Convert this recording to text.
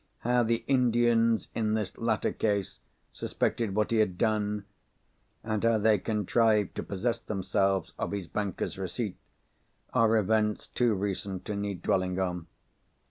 How the Indians, in this latter case, suspected what he had done, and how they contrived to possess themselves of his banker's receipt, are events too recent to need dwelling on.